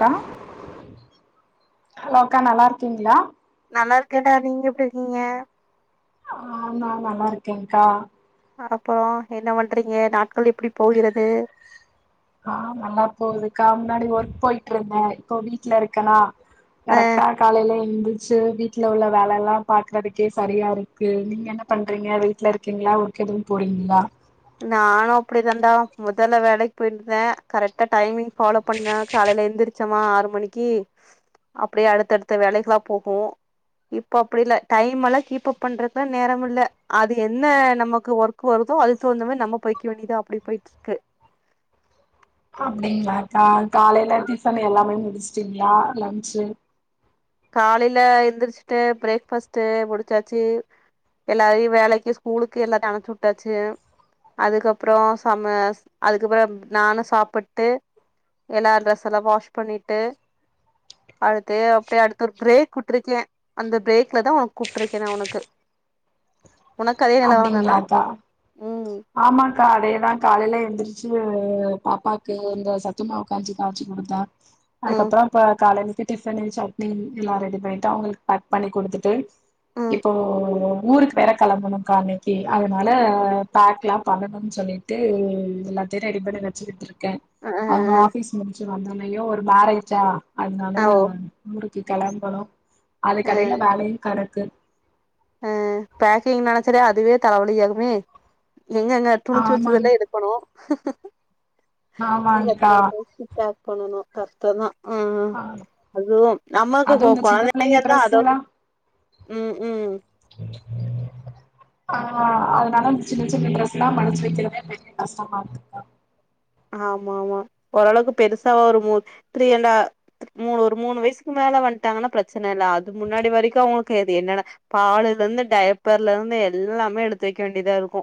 கா ஹலோக்கா நல்லார்க்கீங்ளா நல்லார்க்கேடா நீங் எப்டி இருக்கீங்க ஆம் ஆம் நல்லார்க்கே கா அப்பறோ என்ன பண்றீங்க நாட்கள் எப்படி போகிறது ஆ நல்லா போகுதுக்கா முன்னாடி ஒர்க் போயிட்ருந்தே இப்போ வீட்ல இருக்கனா அஹ் கரக்ட்டா காலைய்ல எந்துர்ச்சு வீட் ட்ல உள்ள வேலல்லா பாக்குறதுக்கே சரியா இருக்கு நீங்க என்ன பண்றீங்க வீட்ல இருக்கீங்ளா ஒர்க் எது போறீங்ளா நானு அப்டி தண்டா முதல்ல வேலைக் போய்ருந்தே கரக்ட்டா டைமிங் ஃபாலோ பண்ண காலைய்ல எந்திரிச்சமா ஆறு மணிக்கி அப்டியே அடுத்தடுத்த வேலைகுலா போபோ இப் அப்படி இல்ல டைம் எல்லா கீப்பப் பண்றத்தா நேரம் இல்ல அது என்ன நமக்கு ஒர்க் வருதோ அது தோந்தமா நம்ம போய்க்கி வேண்டிய்தா அப்டி போய்ட்ருக்கு அப்டிங்ளா கா காலைய்ல டிஃபன் எல்லாமே முடிச்ட்டீங்ளா லன்ச்சு காலைய்ல எந்திர்ச்ட்டு ப்ரேக்பஸ்ட்டு முடிச்சாச்சி எல்லாரையி வேலைக்கு ஸ்கூலுக்கு எல்லாத்தி அனுப்ச்சி வுட்டாச்சி அதுக்கப்றோ சம்மஸ் அதுக்கப்றம் நானு சாப்புட்டு எல்லா ட்ரெஸ் எல்லா வாஷ் பண்ணிட்டு அழுத்து அப்டியே அடு துர் ப்ரேக் விட்ருக்யே அந்த ப்ரேக்ல தா உ கூப்ட்ருக்கே நா உனக்கு உனக்கு அதே நில அவ்ளந்தானா அப்டிங்களாக்கா ஆமாக்கா அதேதா காலைய்ல எந்திர்ச்சு பாப்பாக்கு இந்த சத்துமாவ் கஞ்சி காச்சி குடுத்தே ம் அதுக்கப்றோ போ காலைலிக்கி டிஃபன்னு சட்னி எல்லா ரெடி பண்ணிட்டு அவ்ங்ளுக் பேக் பண்ணி குடுத்துட்டு ம் இப்போ ஊருக்கு வேற கெளம்பணு கா அன்னைக்கி அதனால பேக்லா பண்ணணும் சொல்லிட்டு எஎ எல்லாத்தையு ரெடி பண்ணி வச்சிட்டிரு க அ அ அவ்ங்க ஆஃபீஸ் முடிச்சு வந்தோனே ஐயோ ஒரு மார் ஆய்ச்சா அ அதுனால ஓ மூருக்கு கெளம்பனு அது அ கடைய்ல வேலையு கடக்கு அ பேக்கிங் நெனச்சாலே அதுவே தலவலி ஆகுமே எங்கங்க துணிச்சு ஆமாங் வச்சதுல எடு பனோ இல்ல ஆமாங்க்கா த்ரீடு ப்ரைஸ்டிக் பேக் பண்ணனு கஷ்டோதா ஆஹா ஆ அதுவும் நம்மக்கு அதுவு கோ இந்த சின்ன பிள்ளைங்க கொழந்தையதா அதாது ட்ரெஸ்ஸுல்லா ம்ம் [inaudible] ஆ அதனாலஷ சின்ன சின்ன ட்ரஸ் எல்லா மடிச்சு வெச்சுருவேஸ கொஞ்சோ கஷ்டமாருக்கு மிச்சம் இட்ட எல்லாம் நெச்ச கஷ்டமார்க்கு கா ஆமா ஆமா ஓரளவ்க்கு பெருசா ஒரு மூத் த்ரீ அண்டு ஆ த்து மூணொர் மூணு வய்சுக்கு மேல வந்ட்டாங்கனா ப்ரச்சன இல்ல அது முன்னாடி வரைக்கு அவ்ங்க்ளு கே எது என்னன்னா பாலுல்லந்து டைப்பர்ல இருந்து எல்லாமே எடுத்து வெக்க வேண்டிய்தா இருக்கு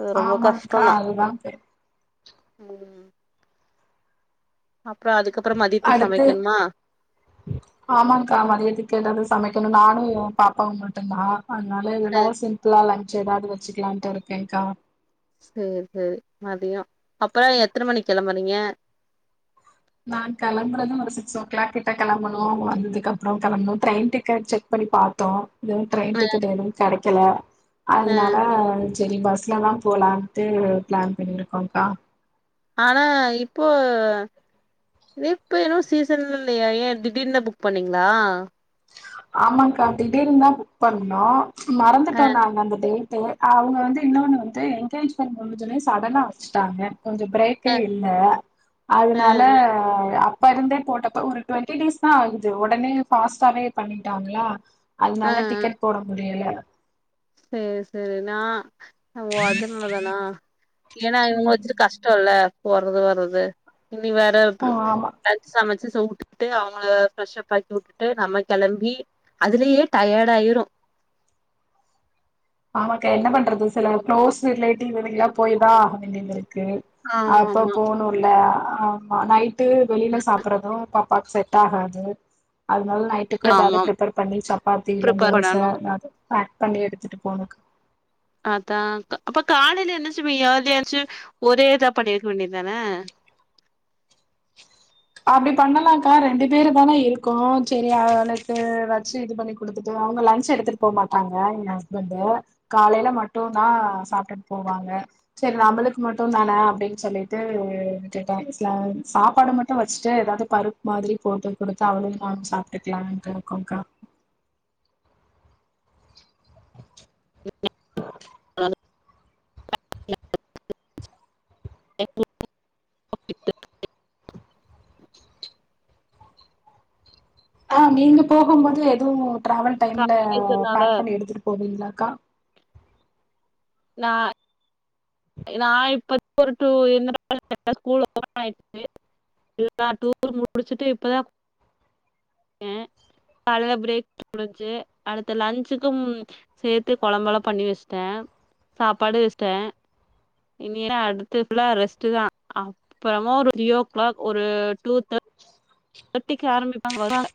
அது ரொம்ப ஆமாங்க்கா கஷ்டந்தா அதுதான் தெரி ம் அப்றோ அதுக்கப்புறோ மதியத்துக் அடுத்து சமைக்கென்மா ஆமாங்க்கா மதியத்துக்கு எதாவ்து சமைக்கணு நானு பாப்பாவு மட்டு்ந்தா அதுனால அ எதா சிம்புளா லஞ்ச் எதாது வச்சுக்குலான்ட்டு இருக்கேன்க்கா சேர் சேரி மதியோ அப்ப எத்தன மணிக் கெளம்புறீங்க நான் கிளம்புறது ஒரு சிக்ஸோ கிளாக் கிட்ட கெளம்பணு அவ்ங் வந்ததுக்கப்றோ கெளம்ணு டிரெயின் டிக்கெட் செக் பண்ணி பாத்தோ இன்னு டிரெயின் அ டிக்கெட் எதுவு கெடைக்கல அ அதுனால சேரி பஸ்லதா போலான் ட்டு பிளான் பண்ணிருக்கோங்க்கா ஆனா இப்போ இப்ப எது சீசன் இல்லையே ஏன் திடீர்னு புக் பண்ணீங்ளா ஆமாங்க்கா திடீர்ன்தா புக் பண்ணோ அ மறந்துட்டோ நாங்க அந்த டே ட்டு அவுங்க வந்து இன்னொன்னு வந்து என்கேஜ்மெண்ட்க் வர்ணு சொல்லி சடனா வச்ட்டாங்க கொஞ்சோ அ பிரேக்கே இல்ல அ அதுனால அப் பருந்தே போட்டப்ப ஒரு டொண்ட்டி டேஸ்தா ஆகுது ஒடனே ஃபாஸ்ட்டாவே பண்ணிட்டாங்ளா அ அ அதுனால டிக்கெட் போட முடியல சேரி சேரி நான் ஓ அதுன்னலனா ஏனா இவுங்ள ம் வச்சுட்டு கஷ்டோல்ல போறது வர்றது இனி வேற ஆமா லஞ்ச் சமச்சு சா ஊட்டுவிட்டு அவுங்கள ஃபிரஷப் ஆக்கி உட்டுட்டு நம்ம கெளம்பி அதுலயே டயர்டாய்ரு ஆமாக்கா என்ன பண்றது சில குளோஸ் ரிலேட்டிவ் இதுக்குலா போய்தா ஆக வேண்டியதிருக்கு ஆமா அப்ப ஆமா போணு ல ஆமா நைட்டு வெளில சாப்புறது பாப்பாக்கு செட் ஆகாது அதுனால நை ட்டுக்கு ஏதாவ்து ஆமா பிர்ப்பர் பண்ணி சப்பாத்தி இல்ல ப்ரிப்பேர் தோச பண்ணணு எதாவ்து பேக் பண்ணி எடுத்துட்டு போணு கா அதா அப்ப காலைல என்ன செய்வீங்க அதயாச்சு ஒரே இதா பண்ணிர்க் வேண்டிதான அப்டி பண்ணலாங்க்கா ரெண்டு பேருதான இருக்கோ சேரி ஆ அனுத்து வச்சு இது பண்ணி குடுத்துட்டு அவ்ங்க லன்ச் எடுத்துட்டு போ மாட்டாங்க என் ஹஸ்பண்டு காலேல மட்டுந்தா சாப்டுட் போவாங்க சேரி நம்ளுக்கு மட்டுந்தான அப்டின் சொல்லிட்டு விட்டுட்ட வஸ்லானு சாப்பாடு மட் டு வச்ட்டு எதாது பருப் மாதிரி போட்டு குடுத்து அவளு நானு சாப்ட்டுக்குலான்ட்டு இருக்கோங்க்கா [inaudible] நானு [inaudible] [inaudible] ஆ நீங்க போகும் போது எதுவு டிராவல் டைம்ல காலைல எந்திரிச்சனால பேக் பண்ணி எடுத்துட்டு போவீங்ளாக்கா நா நான் இப்ப [inaudible] போற டூ இல்லடா [inaudible] கர்ட்டா ஸ்கூல் ஓபன் ஆயிர்ச்சு எல்லா டூரு முடிச்சுட்டு இப்பதா [inaudible] காலைல பிரேக் [inaudible] முடிஞ்சு அடுத்து லன்ச்சுக்கும் சேத்து கொழம்பலா பண்ணி வஸ்ட்ட சாப்பாடு வஸ்ட்ட இனிலா அடுத்து ஃபுல்லா ரெஸ்ட்டுதா அப்புறமா ஒரு த்ரீயோ கிளாக் ஒரு டூ த [inaudible] தட்டிக்கு ஆரமிப்பாங்க வருவாங்க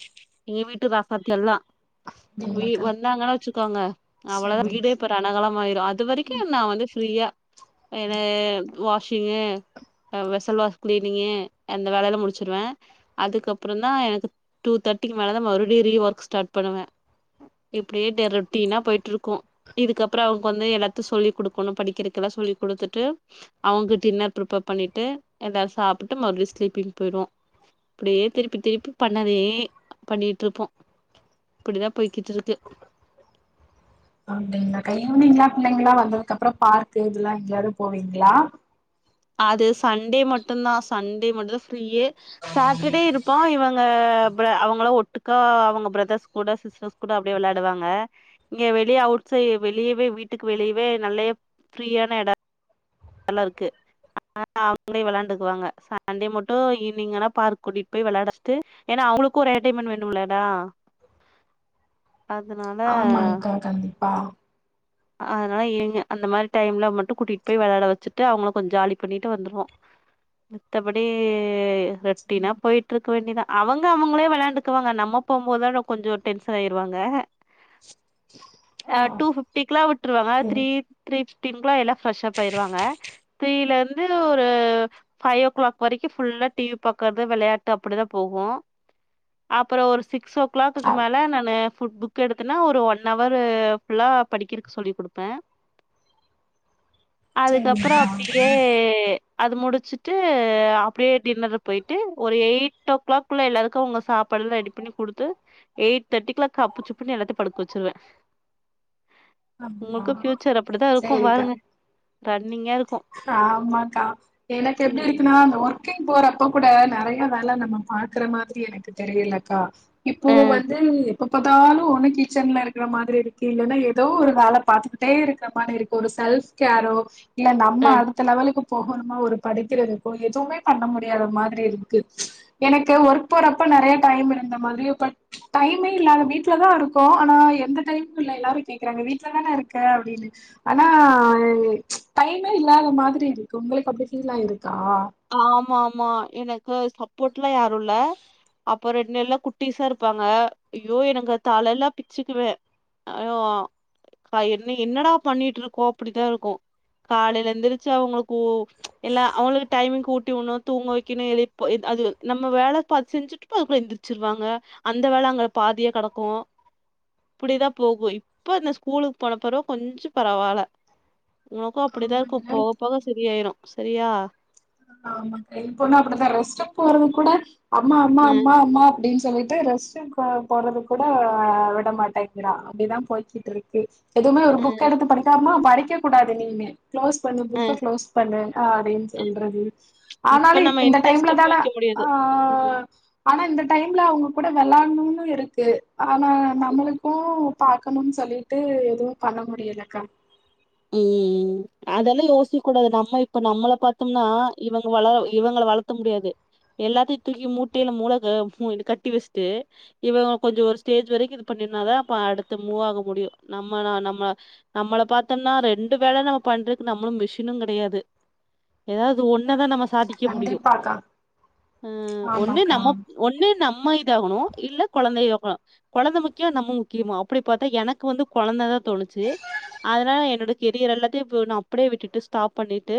எங்க வீட்டு ராசாத்தியெல்லா வீ அப்டிங்களாக்கா வந்தாங்கன்னா வச்சுக்கோங்க அவ்வளோதா செரி வீடே இப்ப ரணகலம் ஆயிரு அது வரைக்கு நா வந்து ஃப்ரீயா ஏன வாஷிங்கு அ வெசல்வாஷ் கிளீனிங்க்கு அந்த வேலையல்லா முடிச்சிருவே அதுக்கப்புறந்தா எனக்கு டூ தேர்ட்டிக்கு மேல தா மறுபடி ரீ ஒர்க் ஸ்டார்ட் பண்ணுவே இப்படியே டே ரொட்டின்னா போயிட்ருக்கு இதுக்கப்பற அவங்க வந்து எல்லாத்து சொல்லி் குடுக்கணு படிக்கிறக்கல்லா சொல்லி் குடுத்துட்டு அவங்க டின்னர் ப்ரிபேர் பண்ணிட்டு எல்லார் சாப்புட்டு மறுபடியு ஸ்லீப்பிங் போய்டுவோ இப்படியே திருப்பி திருப்பி பண்ணதே பண்ணிட்ருப்போ இப்படிதா போய்கிட்டு இருக்கு அப்படிங்களாக்கா ஈவினிங்ல்லா பிள்ளைங்களா வந்ததுக் அப்புறம் பார்க்கு இதெல்லா எங்கியாது போவீங்களா அது சண்டே மட்டுந்தா சண்டே மட்டுந்தா ஃப்ரீயே சாட்டர்டே இருப்போ இவங்க பிரே அவங்களு ஒட்டுக்கா அவங்க பிரதர்ஸ் கூட சிஸ்டர்ஸ் கூட அப்படியே விளையாடுவாங்க இங்க வெளியே அவுட் சை வெளியவே வீட்டுக்கு வெளியவே நல்லையா ஃப்ரீயான இட எல்லா இருக்கு ஆன அவங்களே விளையாண்டுக்குவாங்க சண்டே மட்டு ஈவினி்ங் ஆனா பார்க் கூட்டிட் போய் வெளாட ட்டு ஏன்னா அவளுக்கு ஒரு ஏடைமெண்ட் வேண்ணுல்லடா ஆமாங்க்கா கண்டிப்பா அதனால ஏங்க அந்த மாரி டைம்ல மட்டு கூட்டிட் போய் வெளாயட வச்சுட்டு அவங்கள கொஞ் ஜாலி பண்ணிட்டு வந்துருவோ மித்தபடி ரொட்டினா போயிட் ருக்க வேண்டிதா அவங்க அவங்களே வெளையாண்டுக்குவாங்க நம்ம போம் போதா ரொ கொஞ்சோ டென்ஷன் ஆயிருவாங்க [inaudible] ஆ டூ ஃபிப்டிக்குல்லா விட்ருவாங்க சரி த்ரீ த்ரீ ஃபிப்டீன்க்கல்லா எல்லா ப்ரெஷ் அப் ஆயிருவாங்க த்ரீல இருந்து ஒரு பஃவ் ஓ கிளாக் வரைக்கு ஃபுல்லா டிவி பாக்கறது வெளையாட்டு அப்படிதா போகு அப்பறோ ஒரு சிக்ஸ் ஓ கிளாக்குக்கு அ மேல நான்னு ஃபுட் புக் எடுத்தனா ஒரு ஒன் அவரு ஃபுல்லா படிக்கிறக் சொல்லிக் குடுப்பே அதுக்கப்புறோ சரிங்க்கா அப்படியே அது முடுச்சுட்டு அப்படியே டின்னரு போயிட்டு ஒரு எயிட் ஓ கிளாக் குள்ள எல்லாருக்கு அவங்க சாப்பல்லா ரெடி பண்ணி குடுத்து எயிட் தேர்டிக்கல்லா கப்பு சுப்புன்னு எல்லாத்தையு படுக்க வச்சுருவே அப்டியா உங்களுக்கு ஃபியூச்சர் அப்படித்தா இருக்கு சேரிக்கா பாருங்க ரன்னிங்கா இரு ஆமாக்கா எனக்கு எப்படி இருக்குனா அதந்த ஒர்க் கிங் போறப்ப கூட நிறைய வேல நம்ம பாக்கற மாதிரி எனக்கு தெரியலக்கா இப்போ அ வந்து எப்ப பாத்தாலு ஒண்ணு கிச்சன்ல இருக்கிற மாதிரி இருக்கு இல்லைன்னா ஏதோ ஒரு வேல பாத்துக்கிட்டே இருக்கிற மாதிரி இருக்கு ஒரு செல்ஃப் கி யாரோ நம்ம அ அடுத்த லெவலுக்கு போகணுமா ஒரு படிக்கிறதுக்கோ எதுவுமே பண்ண முடியாத மாதிரி இருக்கு எனக்கு ம் ஒர்க் போறப்ப நெறைய டைம் இருந்த மாதிரி பட் டைமே இல்ல வீட்லதா இருக்ககோ ஆனா எந்த டைமு இல்ல எல்லாரு கேக்கறாங்க வீட்ல தானே இருக்க அப்படின்னு ஆனா டைமே இல்லாத மாதிரி இருக்கு உங்களுக் அப்படி ஃபீலாயிருக்கா ஆமா ஆமா எனக்கு சப்போர்ட்லா யாரு இல்ல அப் புறோ இன்னெல்லா குட்டிசா இருப்பாங்க ஐயோ எனக்கு தலல்லா பிச்சுக்குவே [unintelligible] பா என்ன என்னடா பண்ணிட்ருக்கோ அப்படித்தா இருக்கு காலையில எந்திரிச்சு அவங்களுக் கு எல்லா அவளுக் டைமிங்க் ஊட்டி உண்ணு தூங்க வைக்கணு எ இப்ப எத் அது நம்ம வேல பா செஞ்சுட்ருப்போ அதுக்குள்ள எந்திரிச்சிருவாங்க அந்த வேல அங்க பாதியா கடக்கு அப்டிதா போகு இப்போ இந்த ஸ்கூலுக்கு போன பிறவ கொஞ்சோ பரவாயில்ல முக அப்டிதா இருக்கு ஆமாங்க போக போக சரியாயிரும் சரியா ஆமா என் பொண்ணா அப்டிதா ரெஸ்ஸ போறது கூட அம்மா அம்மா அ அம்மா அம்மா அப்படின் சொல்லிட்டு ரெஸ் டு போ போறது கூட விட மாட்டேங்கிறா அப்டிதா போய்கிட்டு இருக்கு எதுவுமே ஒரு அ புக் எடுத்து படிக்காம படிக்க கூடாது நீமே க்ளோஸ் பண்ணு அ புக்க க்ளோஸ் பண்ணு அ அப்டின் சொல்ற இப்ப ஆனாலு நம்ம இந்த எந்த டைம்ல ஸ்டெப்பு தானே வைக்க ஆ முடியாது ம் ஆனா இந்த டைம்ல அவங்க கூட வெளயாணுனு இருக்கு ஆனா நம்முளுக் கு பாக்கணுனு சொல்லிட்டு எதுவும் பண்ண முடியலக்கா உம் அதெல்லா யோசிக்க கூடாது நம்ம இப்ப நம்மள பாத்தோம்னா இவங்க வளர இவங்கள வள த்த முடியாது எல்லாத்தையு தூக்கி மூட்டையில மூள கட்டி வெச்ட்டு இவங்க கொஞ்சம் ஒரு ஸ்டேஜ் வரைக்கு இது பண்ணிருனாதான் அப்ப அடுத்து மூவ் ஆக முடியு நம்ம நா நம்ம நம்மள பாத் தன்னா ரெண்டு வேள நம்ம பண்றதுக்கு நம்மளும் மிஷினு கெடையாது எதாவது ஒன்ன தான் நம்ம சாதி க்க முடியு கண்டிப்பாக்கா அ ஒண்ணு ஆமாக்கா நம்ம ஒன்னு நம்ம இதாகணு இல்ல கொழந்தைய கொழந்த முக்கிய நம்ம முக்கியமா அப்டி பாத்தா எனக்கு வந்து கொழந்ததா தோணுச்சு அதனால என்னோட கெரியர் எல்லாத்தையு இ நா அப்டியே விட்டுட்டு ஸ்டாப் பண்ணிட்டு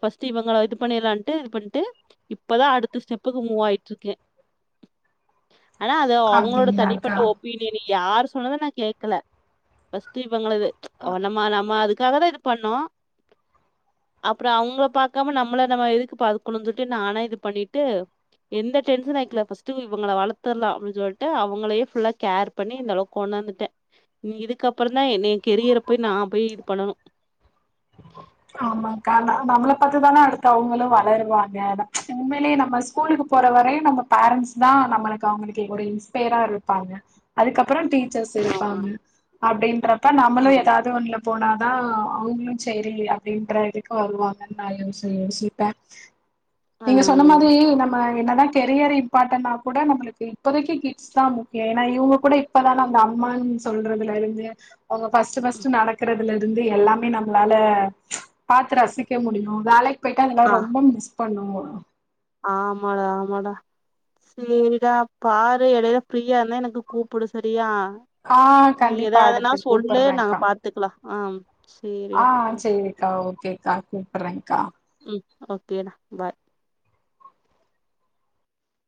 ஃபர்ஸ்ட்டு இவங்கள இது பண்ணிலான்ட்டு இது பண்ட்டு இப்பதா அடுத்த ஸ்டெப்புக்கு மூவ் ஆயிட்டு இருக்கே ஆனா அது அவங்களோட தனிப்பட்ட அப்டிங்களாக்கா ஒப் பீனியனு யாரு சொன்னத நா கேக்கல ஃபர்ஸ்ட் இவங்களது ஆ ஒ நம்ம நம்ம அதுக்காக தா இது பண்ணோ அப்றோ அவங்கள பாக்காம நம்மள நம்ம எதுக்கு பாக்கணுன் சொல்லிட்டு நானா இது பண்ணிட்டு எந்த டென்சனு ஆயிகல ஃபர்ஸ்ட் இவங்க வளர்த்தரலா அப்டின் சொல்ட்டு அவங்களேயே ஃபுல்லா கேர் பண்ணி இந்தளவுக் கொண்டாந்துட்டே இதுக்கப்பறதா என் என் கெரியர போய் நா போய் பண்ணனு ஆ ஆமாங்கா நா நம்ள பாத்து தானே அடுத்து அவங்களு வளருவாங்க அதா உண்மையிலே நம்ம ஸ்கூலுக்கு போற வரையு நம்ம பேரன்ண்ட்ஸ் தான் நம்மளுக்கு அவங்களுக்கு இன்ஸ்பயரா இருப்பாங்க அதுக்கப்பற டி ச்சர்ஸ் இருப்பாங்க அப்டின்றப்ப நம்மளு ஆமா எதாவது ஒண்ணுல போனாதா அவங்களும் செரி அப்டின்ற இதுக்கு வருவாங்கன் நான் யோசி யோசிப்பே ஆ நீங்க சொன்ன ம் மாதிரி நம்ம என்னதா கெரியர் இம்பார்ட்டனா கூட நம்முளுக்கு இப்போதைகி கிட் ஸ்தா முக்கிய ஏன்னா இவங்க கூட இப்பதா நம்ம அம்மான் சொல்றதுல இருந்து அவங்க ஃபர்ஸ்ட் ஃபர்ஸ்ட்டு நடக்கிறதுல இருந்து எல்லாமே நம் மளால பாத்து ரசிக்க முடியு வேலைக்கு போயிட்டா இதெல்லா ஆ ரொம்ப மிஸ் பண்ணுவோ ஆமாடா ஆமாடா சேரிடா பாரு இடையில ஃப்ரீயா இருந்தா எனக்கு கூப்புடு சரியா ஆஹ் நீ கண்டிப்பா எதாவதுன்னா அடுத்து சொல்லு நாங்க கூப்பிடுறேன்க்கா பாத்துக்கலா ஆ சேரிடா உம் அக்கா ஓகேக்கா கூப்பறகா ம் ஓகேடா பாய்